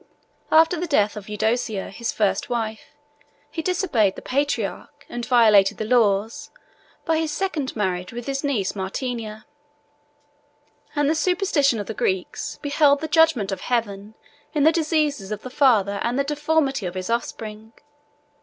After the death of Eudocia, his first wife, he disobeyed the patriarch, and violated the laws, by his second marriage with his niece Martina; and the superstition of the Greeks beheld the judgment of Heaven in the diseases of the father and the deformity of his offspring.